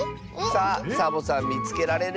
さあサボさんみつけられる？